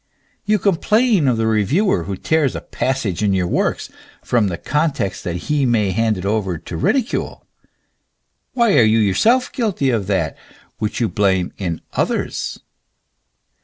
You complain of the reviewer who tears a passage in your works from the context that he may hand it over to ridicule. Why are you yourself guilty of that which you blame in others